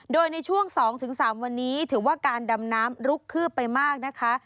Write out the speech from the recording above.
โดยในช่วง๒๓วันนี้ถือว่าการดำน้ำลุกคืบไปมากนะคะ